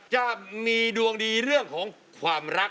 จะมีดวงดีเรื่องของความรัก